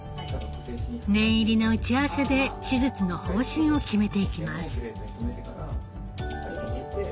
念入りな打ち合わせで手術の方針を決めていきます。